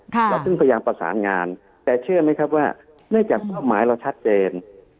เราถึงพยายามประสานงานแต่เชื่อไหมครับว่าเนื่องจากเป้าหมายเราชัดเจน